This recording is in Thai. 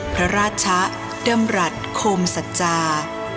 พระราชะเดิมรัฐโคมศัจรา